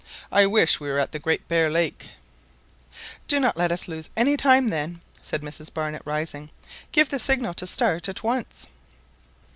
I wish we were at the Great Bear Lake !" "Do not let us lose any time, then," said Mrs Barnett, rising; "give the signal to start at once."